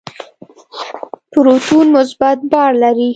پروتون مثبت بار لري.